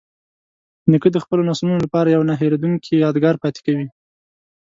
نیکه د خپلو نسلونو لپاره یوه نه هیریدونکې یادګار پاتې کوي.